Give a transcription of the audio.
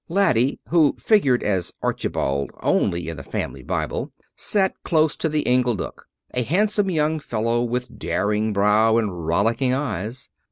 Laddie, who figured as Archibald only in the family Bible, sat close to the inglenook a handsome young fellow with a daring brow and rollicking eyes.